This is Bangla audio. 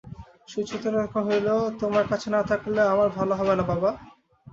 সুচরিতা কহিল, তোমার কাছে না থাকলে আমার ভালো হবে না বাবা।